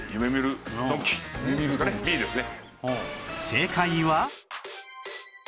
正解は